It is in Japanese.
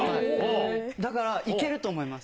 だからいけると思います。